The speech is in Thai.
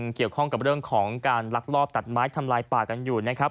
เกี่ยวข้องกับเรื่องของการลักลอบตัดไม้ทำลายป่ากันอยู่นะครับ